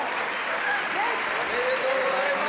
「おめでとうございます」